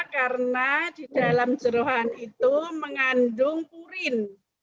karena di dalam jeroan itu mengandung purin